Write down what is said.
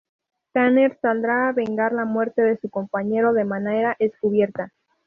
Tanner saldrá a vengar la muerte de su compañero, de manera encubierta.